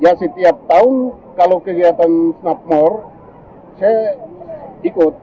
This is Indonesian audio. ya setiap tahun kalau kegiatan snapmort saya ikut